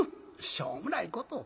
「しょうもないことを」。